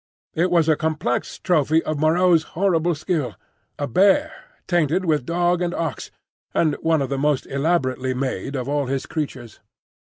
It was a complex trophy of Moreau's horrible skill,—a bear, tainted with dog and ox, and one of the most elaborately made of all his creatures.